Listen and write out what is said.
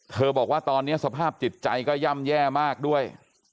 บอกว่าตอนนี้สภาพจิตใจก็ย่ำแย่มากด้วย